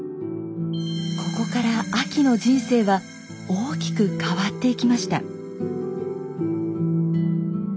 ここからあきの人生は大きく変わっていきました。